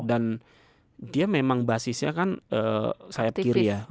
dan dia memang basisnya kan sayap kiri ya